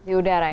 di udara ya